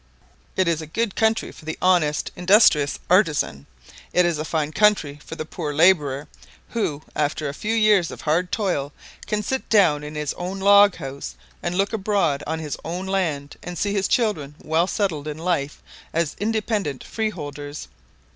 "It is a good country for the honest, industrious artisan. It is a fine country for the poor labourer, who, after a few years of hard toil, can sit down in his own log house, and look abroad on his own land, and see his children well settled in life as independent freeholders.